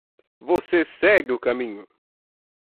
Você segue o caminho